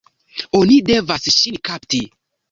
Oni devas ŝin kapti!